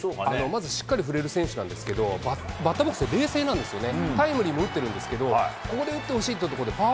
まずしっかり振れる選手なんですけど、バッターボックスで冷静なんですよね。